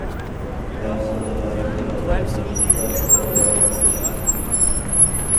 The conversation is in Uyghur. مەن تىلغا ئېلىۋاتقان بۇ كىتاب دەل «ئالتۇن شاخ» .